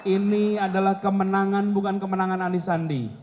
ini adalah kemenangan bukan kemenangan anies sandi